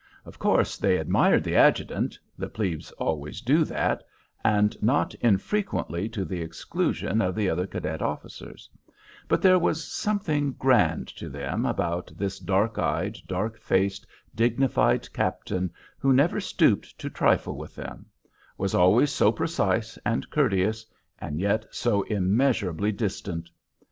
Of course they admired the adjutant, the plebes always do that, and not infrequently to the exclusion of the other cadet officers; but there was something grand, to them, about this dark eyed, dark faced, dignified captain who never stooped to trifle with them; was always so precise and courteous, and yet so immeasurably distant.